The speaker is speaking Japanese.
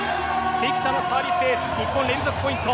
関田のサービスエース日本、連続ポイント。